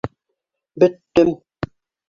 Бөттөм!